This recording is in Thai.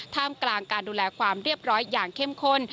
ท่ามกลางการดูแลความเรียบร้อยอย่างเข้มข้น